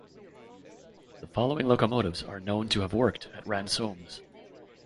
The following locomotives are known to have worked at Ransomes.